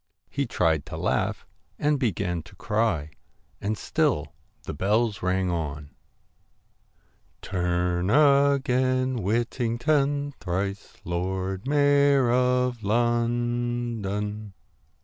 He tried to laugh and began to cry. And still the bells rang on 'Turn again, Whittington, Thrice Lord Mayor of London.'